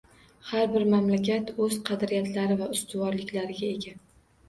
Har bir mamlakat o'z qadriyatlari va ustuvorliklariga ega